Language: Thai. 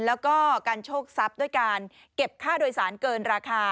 แล้วก็การโชคทรัพย์ด้วยการเก็บค่าโดยสารเกินราคา